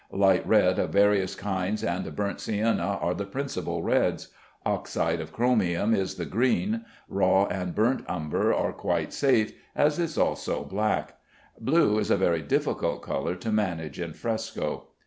Light red of various kinds and burnt sienna are the principal reds. Oxide of chromium is the green. Raw and burnt umber are quite safe, as is also black. Blue is a very difficult color to manage in fresco.